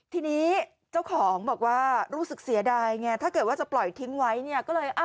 ทีนี้เจ้าของบอกว่ารู้สึกเสียดายถ้าจะจะจะปล่อยทิ้งไว้